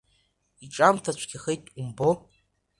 Иҿамҭа цәгьахет умбо!